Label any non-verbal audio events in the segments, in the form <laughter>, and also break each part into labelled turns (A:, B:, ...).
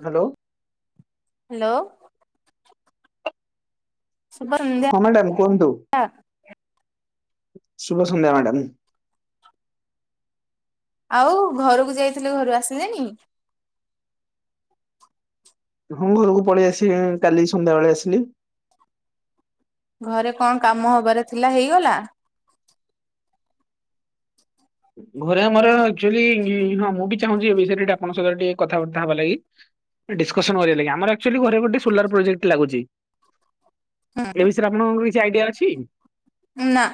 A: Hello.
B: Hello. ଶୁଭ ସନ୍ଧ୍ୟା
A: ହଁ ମ୍ୟାଡାମ କୁହନ୍ତୁ ଶୁଭ ସନ୍ଧ୍ୟା ମ୍ୟାଡାମ।
B: ଆଉ ଘରକୁ ଯାଇଥିଲୁ ଘରୁ ଆସିିଲେଣିି?
A: ହଁ ଘରକୁ ପଳେଇ ଆସି କାଲି ସନ୍ଧ୍ୟାବେେଳେ ଆସିଲି।
B: ଘରେ କଣ କାମ ହବାର ଥିଲା ହେଇଗଲା?
A: ଘରେ ଆମର ଆକଚୁଆଲି ହଁ ମୁଁ ବି ଚାହୁଁଛି ଏ ବିଷୟରେ ଟିକେ ଆପଣଙ୍କ ସହିତ ଟିକେ କଥାବାର୍ତ୍ତା ହବା ଲାଗି। ଡିସକସନ କରିବା ଲାଗି ଆମର ଆକଚୁଆଲି ଘରେ ଗୋଟେ ସୋଲାର ପ୍ରୋଜେକ୍ଟ ଲାଗୁଛି।
B: ହୁଁ
A: ଏ ବିଷୟରେ ଆପଣଙ୍କର କିଛି ଆଇଡିଆ ଅଛି?
B: ଉଁ ନା।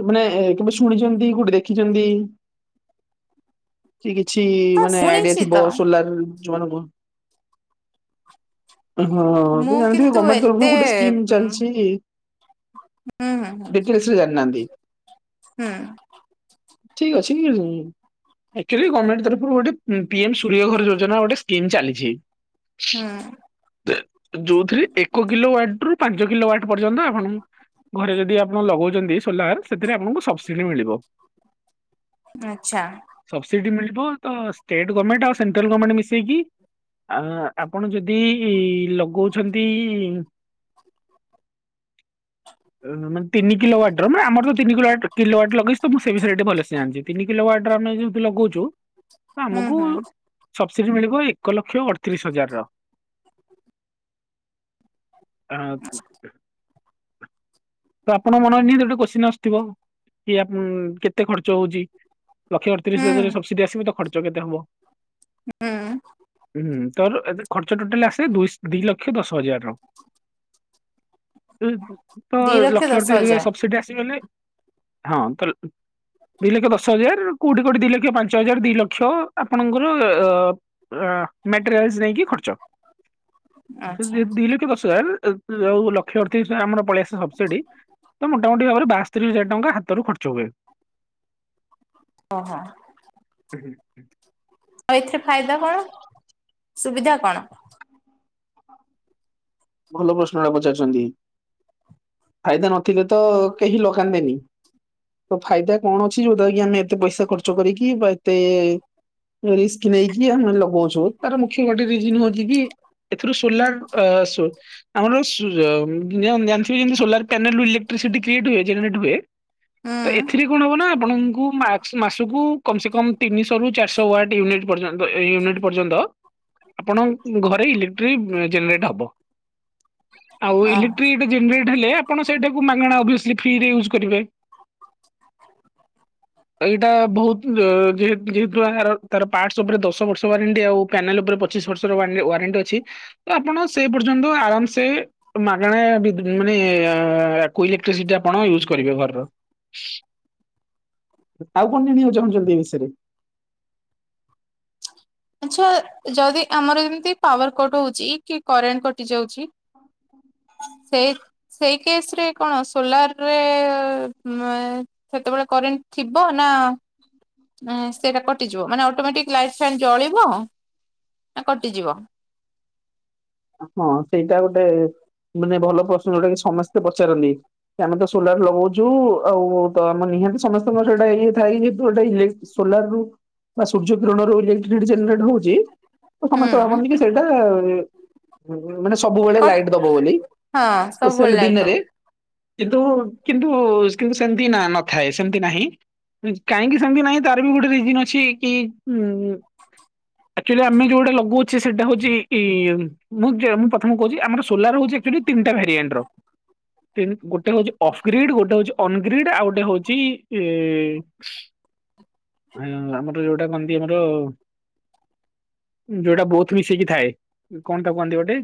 A: ଏ ମାନେ କେବେ ଶୁଣିଚନ୍ତି କୋଉଠି ଦେଖିଚନ୍ତି? ସେ କିଛି
B: ହଁ
A: ମାନେ ଆଇଡିଆ
B: ଶୁଣିଛି
A: ଥିବ
B: ତ।
A: ସୋଲାର ଯୋଉମାନଙ୍କୁ ହଁ ତ
B: ମୁଁ
A: ଜାଣିଥିବେ
B: କିନ୍ତୁ
A: ଗମେଣ୍ଟ
B: ଏତେ
A: ତରଫରୁ ଗୋଟେ ସ୍କିମ ଚାଲିଛି।
B: ହଁ ହଁ ହଁ।
A: ଡିଟେଲସ ରେ ଜଣିନାହାନ୍ତି
B: ହୁଁ।
A: ଠିକ ଅଛି କି ଏକେଲି ଗମେଣ୍ଟ ତରଫରୁ ଗୋଟେ ଉଁ ପିଏମ୍ ସୂର୍ଯ୍ୟ ଘର ଯୋଜନା ଗୋଟେ ସ୍କିମ୍ ଚାଲିଛି।
B: ହୁଁ।
A: ଯୋଉଥିରେ ଏକ କିଲୋ ୱାଟରୁ ପାଞ୍ଚ କିଲୋ ୱାଟ ପର୍ଯ୍ୟନ୍ତ ଆପଣଙ୍କୁ ଘରେ ଯଦି ଆପଣ ଲଗୋଉଚନ୍ତି ସୋଲାର ତେବେ ଆପଣଙ୍କୁ ସବସିଡି ମିଳିବ।
B: ଆଚ୍ଛା
A: ସବସିଡି ମିଳିବ ତ ଷ୍ଟେଟ ଗର୍ମେଣ୍ଟ ଆଉ ସେଣ୍ଟ୍ରାଲ ଗର୍ମେଣ୍ଟ ମିଶେଇକି ଆ ଆପଣ ଯଦି ଲଗୋଉଛନ୍ତି
B: ହ
A: ଓହୋ ମାନେ ତିନି କିଲୋ ବାଟର ମାନେ ଆମଠୁ କିଲୋୱାଟ କିଲୋୱାଟ ଲଗେଇଚୁ ତ ମୁଁ ସେଇ ବିଷୟରେ ଏଠି ଭଲସେ ଜାଣିଚି ତିନ କିଲ ୱାଟର ଆମେ ଯେହେତୁ ଲଗୋଉଚୁ
B: ହୁଁ
A: ଆମକୁ
B: ହୁଁ।
A: ସବସିଡି ମିଳିବ ଏକ ଲକ୍ଷ ଅରତିରିଶ ହଜାରର। ହଁ ତ ଆପଣଙ୍କ ମନରେ ନିହତି ଗୋଟେ କୋଶ୍ଚିନ ଆ ଥିବ କି ଆପ କେତେ ଖର୍ଚ୍ଚ ହୋଉଚି ଲକ୍ଷେ ଅରତିରିଶ
B: ହୁଁ
A: ହଜାରେ ସବସିଡି ଆସିବ ତ ଖର୍ଚ୍ଚ କେତ୍ ତେ ହବ
B: ହାଁ।
A: ହୁଁ ତୋର ଆଜ୍ ଏ ଖର୍ଚ୍ଚ ଟୋଟାଲ ଆସେ ଦୁଇସ୍ ଦିଲକ୍ଷ ଦଶହଜାରର। ଏ ତ
B: ଦି ଲକ୍ଷ
A: ଲକ୍ଷେ
B: ଦଶ
A: ଅରତିରିଶ ହଜାର ସବସିଡି ଆସିଗଲେ ହଁ ତ ଦିଇଲକ୍ଷ ଦଶହଜାର କୋଉଠି କୋଉଠି ଦିଲକ୍ଷ ପାଞ୍ଚହଜାର ଦିଲକ୍ଷ ଆପଣଙ୍କର ଅ ଅ ମଟେରିଆଲସ୍ ନେଇକି ଖର୍ଚ୍ଚ ଯେତୁ
B: ଆଚ୍ଛା
A: ଯେହେତୁ ଦିଲକ୍ଷ ଦଶହଜାର ଏ ଯୋଉ ଲକ୍ଷ ଅରତିରିଶ ଆମର ପଳେଇଆସେ ସବସିଡି ତ ମୋଟାମୋଟି ଭାବରେ ବାସ୍ ତିରିଶ ହଜାର ଟଙ୍କା ହାତରୁ ଖର୍ଚ୍ଚ ହୁଏ।
B: ଓହଁ।
A: ଉ ହୁଁ।
B: ଆଉ ଏଥିରେ ଫାଇଦା କଣ ସୁବିଧା କଣ?
A: ଭଲ ପ୍ରଶ୍ନଟା ପଚାରିଚନ୍ତି ଫାଇଦା ନଥିଲେ ତ କେହି ଲଗାନ୍ତେନି। ତ ଫାଇଦା କଣ ଅଛି ଯୋଉଦ୍ୱାରା କି ଆମେ ଏତେ ପଇସା ଖର୍ଚ୍ଚ କରିକି ବା ଏତେ ରିସ୍କ ନେଇକି ଆମେ ଲଗୋଉଛୁ ତାର ମୁଖ୍ୟ ଗୋଟେ ରିଜନ ହୋଉଛି କି ଏଥିରୁ ସୋଲାର ଅ ସୋ ଆମର ସ୍ ଯୋଉ ଯମତି ଯେ ଆପଣ ଜାଣଥିବେ ଯେମିତି ସୋଲାର ପ୍ୟାନେଲରୁ ଇଲେକ୍ଟ୍ରିସିଟି କ୍ରିଏଟ୍ ହୁଏ ଜେନେରେଟ ହୁଏ।
B: ହୁଁ
A: ତ ଏଥିରେ କଣ ହବ ନା ଆପଣଙ୍କୁ ମାକ୍ସ୍ ମାସକୁ କମସେ କମ ତିନିଶ ରୁ ଚାରଶହ ୱାଟ୍ ୟୁନିଟ୍ ପର୍ଯ୍ୟନ୍ତ ଅ ୟୁନିଟ୍ ପର୍ଯ୍ୟନ୍ତ ଆପଣଙ୍କ ଘରେ ଇଲେକ୍ଟ୍ରି ଉମ୍ ଜେନେରେଟ ହବ ଆଉ
B: ଓହୋ।
A: ଇଲେକ୍ଟ୍ରି ଜେନେରେଟ ହେଲେ ଆପଣ ସେଇଟାକୁ ମାଗଣା ଅଭିଅସଲି ଫ୍ରୀରେ ଇଉଜ୍ କରିବେ। ଏଇଟା ବୋହୁତ ଅ ଯେହେତ୍ ଯେହେତୁ ଏହାର ତାର ପାର୍ଟ ଓପରେ ଦଶ ବର୍ଷ ୱାରେଣ୍ଟି ଆଉ ପ୍ୟାନେଲ ଓପରେ ପ ପଚିଶ ବର୍ଷରେ ୱାନେ-ୱାରେଣ୍ଟି ଅଛି ତ ଆପଣ ସେଇ ପର୍ଯ୍ୟନ୍ତ ଆରାମସେ ମାଗଣା ବି ମାନେ ବିଦୁତ୍ କୋଉ ଇଲେକ୍ଟ୍ରିସିଟି ଆପଣ ୟୁଜ୍ କରିବେ ଘରର। ଆଉ କଣ ଜାଣିବାକୁ ଚାହୁଁଚନ୍ତି ଏ ବିଷୟରେ?
B: ଆଚ୍ଛା ଯଦି ଆମର ଯେମତି ପାୱାର କଟ ହୋଉଚି କି କରେଣ୍ଟ କଟିଯାଉଚି ସେଇ ସେଇ କେସ ରେ କଣ ସୋଲାର ରେ ସେତେବେଳେ କରେଣ୍ଟ ଥିବ ନା ନା ସେଇଟା କଟିଯିବ ମାନେ ଅଟୋମେଟିକ୍ ଲାଇଫ୍ ଫାଇନ୍ ଜଳିବ ନା କଟିଯିବ
A: ହଁ ସେଇଟା ଗୋଟେ ମାନେ ଭଲ ପ୍ରଶ୍ନ ଯୋଉଟା କି ସମସ୍ତେ ପଚାରନ୍ତିି। ଆମେ ତ ସୋଲାର ଲଗଉଛୁ ଆଉ ତ ଆମର ନିହାତି ସମସ୍ତଙ୍କର ସେଇଟା ଇଏ ଥାଏ ଯୌଟା ଇଲେକ୍ଟ୍ରି ସୋଲାର ରୁ ବା ସୂର୍ଯ୍ୟ କିରଣରୁ ଇଲେଟ୍ରି ଜିଡି ଜେନେଲେଟର ହଉଛି ତ ସମସ୍ତେ
B: ହୁଁ
A: ଭାବନ ସେଇଟା ମାନେ ସବୁବେଳେ
B: କ
A: ଲାଇଟ ଦବ ବୋଲି
B: ହଁ ସବୁବେଳେ
A: ସ୍ପେସିଆଲି
B: ଲାଇଟ୍ ଦବ
A: ଦିନରେ କିନ୍ତୁ କିନ୍ତୁ କିନ୍ତୁ ସେମତି ନା ନଥାଏ ସେମତି ନାହିଁ। କାହିଁକି ସେମିତି ନାହିଁ ତାର ବି ଗୋଟେ ରିଜନ ଅଛି କି ଉଁ ଆଚୁଆଲି ଆମେ ଯୋଉଟା ଲଗାଉଛେ ସେଇଟା ହଉଛି ଇ ମୁଁଁ ଚ ପ୍ରଥମେ କହୁଛି ଆମର ସୋଲାର ହଉଛି ତିନିଟା ଭାରିଏଣ୍ଟ ର ଗୋଟେ ହଉଛି ଅଫ ଗ୍ରୀଡ ଗୋଟେ ହଉଛି ଅନଗ୍ରୀଡ୍ ଆଉ ଗୋଟେ ହଉଛି ଆ ଆମର ଯୋଉଟା କହନ୍ତି ଆମର ଯୋଉଟା ବହୁତ ମିଶେଇକି ଥାଏ। କଣ ଟା କୁହନ୍ତି ଗୋଟେ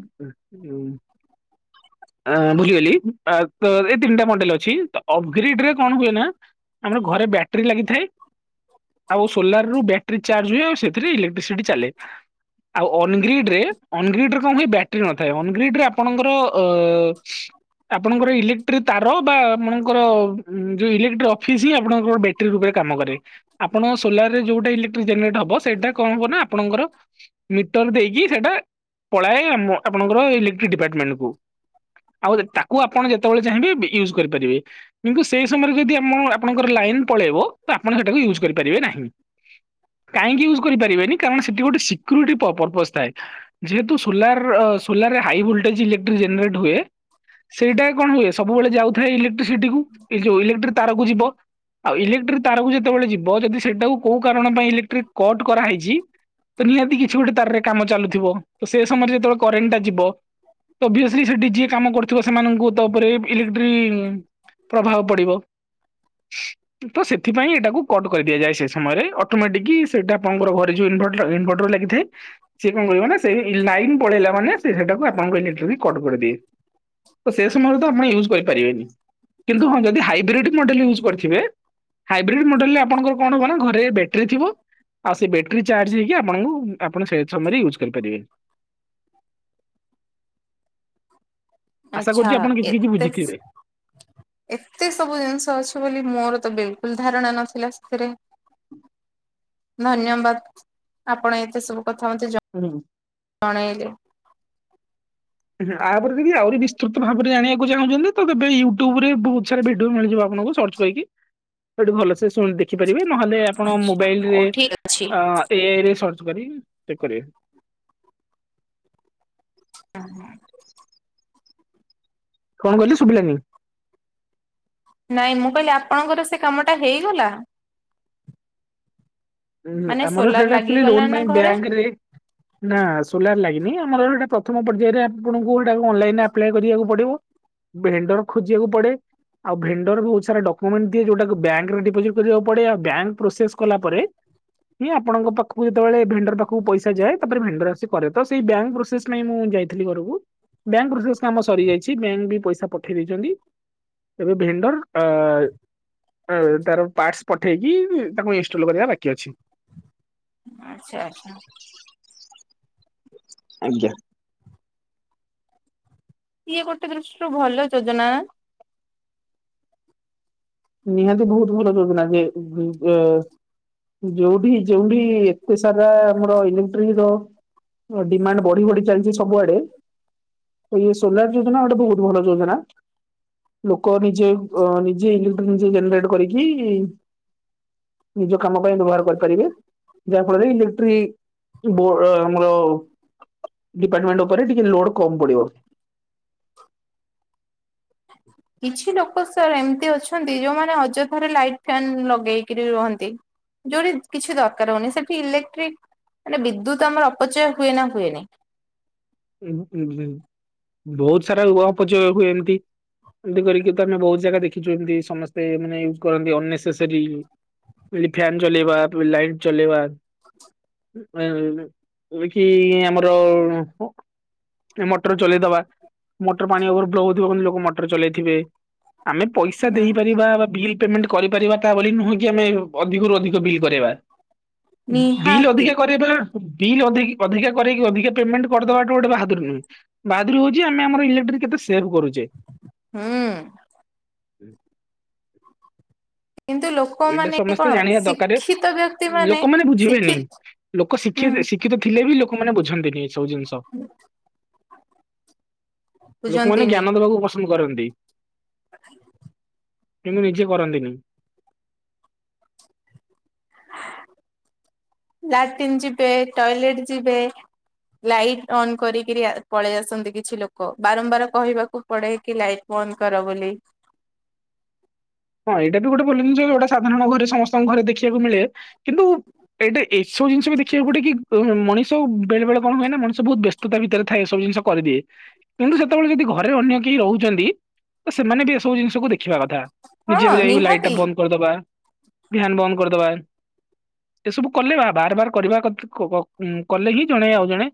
A: ଅ ବୁଝିଗଲି ଏଁ ଅ ଦି ତିନିଟା ମଣ୍ଡେଲ ଅଛି ଅପଗ୍ରେଡ ରେ କଣ ହୁଏ ନା ଆମର ଘରେ ବ୍ୟାଟେରୀ ଲାଗିଥାଏ। ଆଉ ସୋଲାର ରୁ ବ୍ୟାଟେରୀ ଚାର୍ଜ ହୁଏ ଆଉ ସେଥିରେ ଇଲେକ୍ଟ୍ରିସିଟି ଚାଲେ ଆଉ ଅନଗ୍ରିଡ ରେ ଅନଗ୍ରିଡ ରେ କଣ ହୁଏ ବ୍ୟାଟେରୀ ନଥାଏ ଅନଗ୍ରିଡ ରେ ଆପଣଙ୍କର ଅ ଆପଣଙ୍କର ଇଲେକ୍ଟ୍ରିକ ତାର ବା ଆପଣଙ୍କର ଯୋଉ ଇଲେକ୍ଟ୍ରିକ ଅଫିସ୍ ହିଁ ଆପଣଙ୍କର ବ୍ୟା ଟ୍ରି ରୂପରେ କାମ କରେ ଆପଣ ସୋଲାର ରେ ଯୋଉଟା ଇଲେକ୍ଟ୍ରିକ ଜେନେରେଟ ହବ ସେଇଟା କଣ ହବ ନା ଆପଣଙ୍କର ମିଟର ଦେଇକି ସେଇଟା ପଳାଏ ଆମ ଆପଣଙ୍କର ଇଲେକ୍ଟ୍ରିକ ଡିପାର୍ଟମେଣ୍ଟ କୁ ଆଉ ତାକୁ ଆପଣ ଯେତେବେଳେ ଚାହିଁବେ ୟୁଜ୍ କରିପାରିବେ କିନ୍ତୁ ସେଇ ସମୟରେ ଯଦି ଆମ ଆପଣଙ୍କର ଲାଇନ ପଳେଇବ ତ ଆପଣ ସେଟାକୁ ୟୁଜ୍ କରିପାରିବେ ନାହିଁ। କାହିଁକି ୟୁଜ କରିାରେନି କାରଣ ସେଠୀ ଗଟେ ସିକ୍ୟୁରିଟି ପର୍ପଜ ଥାଏ। ଯେହେତୁ solar solar high voltage electric generate ହୁଏ। ସେଇଟା କଣ ହୁଏ ସବୁବେଳେ ଯାଉଥାଏ ଇଲେକ୍ଟ୍ରିସିଟିକୁ ଏଇ ଯୋଉ ଇଲେକ୍ଟ୍ରିକ ତାରକୁ ଯିବ ଆଉ ଇଲେକ୍ଟ୍ରିକ ତାରକୁ ଯେତେବେଳେ ଯିବ ଯଦି ସେଇଟାକୁ କୋଉ କାରଣ ପାଇଁ ଇଲେକ୍ଟ୍ରିକ କଟ୍ କରାହେଇଛି ତ ନିହାତି କିଛି ଗୋଟେ ତାରରେ କାମ ଚାଲୁଥିବ ତ ସେ ସମୟରେ ଯେତେବେଳେ କରେଣ୍ଟଟା ଯିବ ତ ଓବିଓସ୍ଲୀ ସେଠି ଯିଏ କାମ କରୁଥିବ ସେମାନଙ୍କୁ ତା ଉପରେ ଇଲେକ୍ଟ୍ରି ପ୍ରଭାବ ପଡ଼ିବ ତ ସେଥିପାଇଁ ଏଟାକୁ କଟ୍ କରିଦିଆଯାଏ ସେ ସମୟରେ ଅଟୋମେଟିକ୍ ସେଇଟାପଣଙ୍କର ଘରେ ଯୋଉ ଇନଭଟର ଇନଭଟର ଲା ଗିଥାଏ ସିଏ କଣ କହିବ ନା ସେଇ ଲାଇନ୍ ପଳେଇଲା ମାନେ ସେଇଟାକୁ ଆପଣଙ୍କଇ ନେଟରେ ବି କଟ କରିଦିଏ। ତ ସେ ସମୟରେ ତ ଆପଣ ୟୁଜ କରିପାରିବେନି କିନ୍ତୁ ହଁ ଯଦି ହାଇବ୍ରିଡ ମଡେଲ ୟୁଜ୍ କରିଥିବେ ହାଇବ୍ରିଡ୍ ମଡେଲ ରେ ଆପଣଙ୍କର କଣ ହବ ନା ଘରେ ବଟେର ଥିବ ଆଉ ସେ ବ୍ୟାଟେରୀ ଚାର୍ଜ ହେଇକି ଆପଣଙ୍କୁ ଆପଣ ସେ ସମୟରେ ୟୁଜ୍ କରିପାରିବେ। ଆଶା
B: ଆଛା
A: କରୁଛି ଆପଣ କିଛି କିଛି
B: ଏତେ
A: ବୁଝିଥିବେ।
B: ଏତେ ସବୁ ଜିନିଷ ଅଛି ବୋଲି ମୋର ତ ବିଲକୁଲ ଧାରଣା ନଥିଲା ସେଥିରେ
A: ହୁଁ।
B: ଧନ୍ୟବାଦ ଆପଣ ଏତେ ସବୁ କଥା ମତେ ଜ
A: ହୁଁ।
B: ଜଣେଇଲେ
A: ଆପରେ ଯଦି ଆହୁରି ବିସ୍ତୃତ ଭାବରେ ଜାଣିବାକୁ ଚାହୁଁଛନ୍ତି ତେବେ ୟୁଟ୍ୟୁବ ରେ ବହୁତ ସାରା ଭିଡିଓ ମିଳିଯିବ ଆପଣଙ୍କୁ ସଚ କହିକି ସେଠୁ ଭଲସେ ଶୁ ଦେଖିପାରିବେ ନହେଲେ ଆପଣ
B: ଆଚ୍ଛା
A: ମୋବାଇଲରେ
B: ହଉ ଠିକ ଅଛି
A: ଆ ସିଏ ଏଇଠି ସର୍ଚ୍ଚ କରିବେ, ଚେକ୍ କରିବେ।
B: ଏ, ହଁ।
A: କଣ କହିଲେ ଶୁଭିଲାନି?
B: ନାଇଁ ମୁଁ କହିଲି ଆପଣଙ୍କର ସେ କାମ ଟା ହେଇଗଲା?
A: ଉଁ,
B: ମାନେ
A: ଆମର
B: ସୋଲାର୍
A: ସେଇଟା ଆକ୍ଚୁଆଲି ଲୋନ
B: ଲାଗିଗଲା
A: ପାଇଁ
B: ନା ଘରେ?
A: ବ୍ୟାଙ୍କରେ ନା ସୋଲାର୍ ଲାଗିନି ଆମର ଏବେ ସେଟା ପ୍ରଥମ ପର୍ଯ୍ୟାୟରେ ଆପଣଙ୍କୁ ଏଟା ଅନଲାଇନ୍ ଆପ୍ଲାଏ କରିବାକୁ ପଡିବ। ଭେଣ୍ଡର୍ ଖୋଜିବାକୁ ପଡେ। ଆଉ ଭେଣ୍ଡର୍ ବହୁତ ସାରା ଡକ୍ୟୁମେଣ୍ଟ ଦିଏ ଯୋଉଟାକୁ ବ୍ୟାଙ୍କ୍ ରେ ଡିପୋଜିଟ୍ କରିବାକୁ ପଡେ। ଆଉ ବ୍ୟାଙ୍କ୍ ପ୍ରୋସେସ୍ କଲା ପରେ। ହିଁ ଆପଣଙ୍କ ପାଖକୁ ଯେ ତେବେଳେ ଭେଣ୍ଡର୍ ପାଖକୁ ପଇସା ଯାଏ ତାପରେ ଭେଣ୍ଡର୍ ଆସି କରେ। ତ ସେଇ ବ୍ୟାଙ୍କ୍ ପ୍ରୋସେସ୍ ପାଇଁ ମୁଁ ଯାଇଥିଲି ଘରକୁ। ବ୍ୟାଙ୍କ୍ ପ୍ରସେସ୍ କାମ ସରିଯାଇଛି। ବ୍ୟାଙ୍କ୍ ବି ପଇସା ପଠେଇ ଦେଇଚନ୍ତି। ଏବେ ଭେଣ୍ଡର୍ ଆ, ଅ, ତାର ପାର୍ଟସ ପଠେଇକି ତାକୁ ଇନଷ୍ଟଲ୍ କରିବା ବାକି ଅଛି।
B: ଆଚ୍ଛା, ଆଚ୍ଛା।
A: ଆଜ୍ଞା।
B: ଇଏ ଗୋଟେ ଦୃଷ୍ଟିରୁ ଭଲ ଯୋଜନା।
A: ନିହାତି ବହୁତ ଭଲ ଯୋଜନା ଯେ ଉଁ, ଏ ଯୋଉଠି ଯୋଉଠି ବହୁ ସାରା ଆମର ଇଲେକ୍ଟ୍ରିକ୍ ର ଅ, ଡିମାଣ୍ଡ ବଢି ବଢି ଚାଲିଚି ସବୁଆଡେ। ତ ଇଏ ସୋଲାର୍ ଯୋଜନା ଗୋଟେ ବହୁତ ଭଲ ଯୋଜନା। ଲୋକ ନିଜେ ଅ, ନିଜେ ଇଲେକ୍ଟ୍ରିକ୍ ନିଜେ ଜେନେରେଟ୍ କରିକି ନିଜ କାମ ପାଇଁ ବ୍ୟବହାର କରିପାରିବେ। ଯାହାଫଳରେ ଇଲେକ୍ଟ୍ରି ବୋ -ରା -ଆମର ଡିପାର୍ଟମେଣ୍ଟ ଉପରେ ଟିକେ ଲୋଡ୍ କମ ପଡିବ।
B: କିଛି ଲୋକ ସାର୍ ଏମତି ଅଛନ୍ତି ଯୋଉମାନେ ଅଯଥାରେ ଲାଇଟ ଫେନ୍ ଲଗେଇକିରି ରୁହନ୍ତି। ଯୋଉଠି କିଛି ଦରକାର ହଉନି ସେଠି ଇଲେକ୍ଟ୍ରିକ୍ ମାନେ ବିଦ୍ୟୁତ୍ ଆମର ଅପଚୟ ହୁଏ ନା ହୁଏନି?
A: ଏଭେ ଏଇ ଯେ ବହୁତ ସାରା ଅପଚୟ ହୁଏ ଏମତି। ଏମତି କରିକି ତ ଆମେ ବହୁତ ଜାଗା ଦେଖିଛୁ ଏମତି ସମସ୍ତେ ଏ ମାନେ ୟୁଜ୍ କରନ୍ତି ଅନେସେସରି ଯୋଉ। <unintelligible> ଫ୍ୟାନ୍ ଚଲେଇବା, ଲାଇଟ୍ ଚଲେଇବା। ଏ ନାଇ ଏବେ କି ଆମର ହୋ ଏ ମଟର ଚଲେଇଦବା। ମଟର ପାଣି ଓଭର୍ ଫ୍ଲୋ ହଉଥିବ କିନ୍ତୁ ଲୋକ ମଟର ଚଲେଇଥିବେ। ଆମେ ପଇସା ଦେଇପାରିବା ବା ବିଲ୍ ପେମେଣ୍ଟ କରିପାରିବା ତା ବୋଲି ନୁହେ କି ଆମେ ଅଧିକରୁ ଅଧିକ ବିଲ୍ କରିବା। ଉ, ବିଲ୍
B: ନିହାତି
A: ଅଧିକା କରିବା, ବିଲ୍ ଅଧିକି ଅଧିକା କରେଇକି ଅଧିକା ପେମେଣ୍ଟ କରିଦବା ଗୋଟେ ବାହାଦୁରି ନୁହେଁ। ବାହାଦୁରି ହଉଚି ଆମେ ଆମର ଇଲେକ୍ଟ୍ରି କେତେ ସେଭ୍ କରୁଛେ।
B: ହୁଁ। କିନ୍ତୁ
A: ଏଇଟା
B: ଲୋକମାନେ
A: ସମସ୍ତେ
B: କଣ
A: ଜାଣିବା ଦରକାର
B: ଶିକ୍ଷିତ ବ୍ୟକ୍ତି ମାନେ
A: ଲୋକମାନେ ବୁଝିବେନି।
B: ଶିକ୍ଷିତ୍
A: ଲୋକ ଶିକ୍ଷିତେ ଶିକ୍ଷିତ ଥିଲେ ବି ଲୋକମାନେ ବୁଝନ୍ତିନି ଏ ସବୁ ଜିନିଷ।
B: <inaudible>
A: ଲୋକମାନେ
B: ବୁଝନ୍ତିନି
A: ଜ୍ଞାନ ଦବାକୁ ପସନ୍ଦ କରନ୍ତି।
B: ଆଚ୍ଛା <inaudible>
A: କିନ୍ତୁ ନିଜେ କରନ୍ତିନି।
B: ଲାଟିନ୍ ଯିବେ, ଟଏଲେଟ୍ ଯିବେ। ଲାଇଟ୍ ଅନ୍ କରିକିରି ଆ, ପଳେଇ ଆସନ୍ତି କିଛି ଲୋକ। ବାରମ୍ବାର କହିବାକୁ ପଡେ କି ଲାଇଟ୍ ବନ୍ଦ କର ବୋଲି।
A: ହଁ ଏଇଟା ବି ଗୋଟେ ଭଲ ଜିନିଷ ଏବେ ଗୋଟେ ସାଧାରଣ ଘରେ ସମସ୍ତଙ୍କ ଘରେ ଦେଖିବାକୁ ମିଳେ। କିନ୍ତୁ ଏଇଟି ଏସବୁ ଜିନିଷ ବି ଦେଖିବାକୁ ଗୋଟେ କି ଅ, ହୋ ମଣିଷ ବେଳେ ବେଳେ କଣ ହୁଏ ନା। ମଣିଷ ବହୁତ ବ୍ୟସ୍ତତା ଭିତରେ ଥାଏ ଏ ସବୁ ଜିନିଷ କରିଦିଏ। କିନ୍ତୁ ସେତେବେଳେ ଯଦି ଘରେ ଅନ୍ୟ କେହି ରହୁଚନ୍ତି ତ ସେମାନେ ବି ଏସବୁ ଜିନିଷକୁ ଦେଖିବା କଥା। ନିଜେ
B: ହଁ
A: ବି ଯାଇ ଲାଇଟ୍ ଟା
B: ନିହାତି
A: ବନ୍ଦ କରିଦବା। ଫ୍ୟାନ୍ ବନ୍ଦ କରିଦବା। ଏସବୁ କଲେ ବା- ବାର ବାର କରିବା କତ କ-ଉଁ, କଲେ ହିଁ ଜଣେ ଆଉ ଜଣେ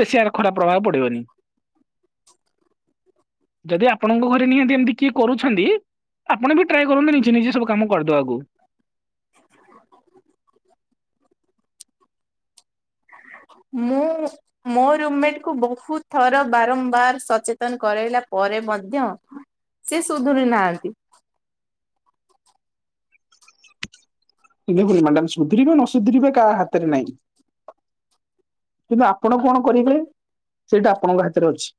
A: ବେଶୀ ଆର ଖରାପ ପ୍ରଭାବ ପଡିବନି। ଯଦି ଆପଣଙ୍କ ଘରେ ନିହାତି ଏମିତି କିଏ କରୁଛନ୍ତି ଆପଣ ବି ଟ୍ରାଏ କରୁନ୍ତୁ ନିଜେ ନିଜେ ସବୁ କାମ କରିଦେବାକୁ।
B: ମୁଁ ମୋ ରୁମମେଟ କୁ ବହୁତ ଥର ବାରମ୍ବାର ସଚେତନ କରାଇଲା ପରେ ମଧ୍ୟ ସେ ସୁଧରି ନାହାନ୍ତି।
A: ଦେଖନୁ ମ୍ୟାମ ସୁଧରିବେ ନ ସୁଧରିବେ କାହା ହାତରେ ନାଇଁ। କିନ୍ତୁ ଆପଣ କଣ କରିବେ ସେଇଟା ଆପଣଙ୍କ ହାତରେ ଅଛି।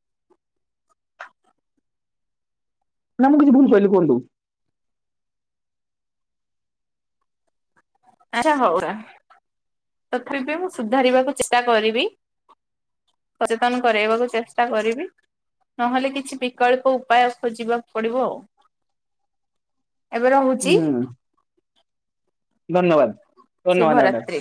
A: ନାଁ ମୁଁ କିଛି ଭୁଲ କହିଲି କୁହନ୍ତୁ।
B: ଆଛା ହଉ ତଥାପି ମୁଁ ସୁଧାରିବାକୁ ଚେଷ୍ଟା କରିବି। ସଚେତନ କରାଇବାକୁ ଚେଷ୍ଟା କରିବି। ନହେଲେ କିଛି ବିକଳ୍ପ ଉପାୟ ଖୋଜିବାକୁ ପଡ଼ିବ ଆଉ। ଏବେ
A: ହୁଁ
B: ରହୁଛି।
A: ଧନ୍ୟବାଦ ଧନ୍ୟବାଦ ମାଡାମ।
B: ଶୁଭରାତ୍ରି।